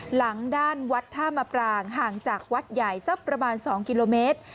หลังด้านวัดท่ามปรางห่างจากวัดใหญ่สักประมาณ๒กิโลเมตร